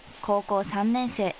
高校３年生。